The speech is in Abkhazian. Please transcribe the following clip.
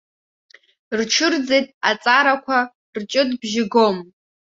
Рҽырӡеит аҵарақәа, рҷытбжьы гом.